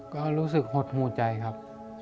ก็รู้สึกหดหูใจครับ